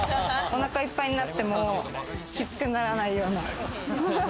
お腹いっぱいになってもきつくならないような。